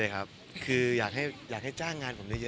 ใช่ครับคืออยากให้จ้างงานผมเยอะ